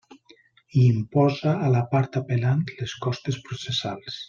I imposa a la part apel·lant les costes processals.